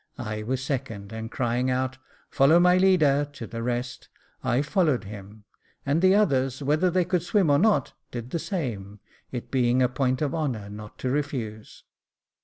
I was second, and crying out, "Follow my leader" to the rest, I followed him, and the others, whether they could swim or not, did the same, it being a point of honour not to refuse.